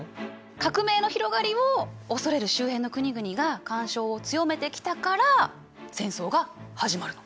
革命の広がりを恐れる周辺の国々が干渉を強めてきたから戦争が始まるの。